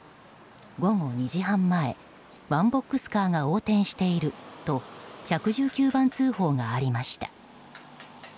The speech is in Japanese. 午後２時半前ワンボックスカーが横転していると１１９番通報がありました。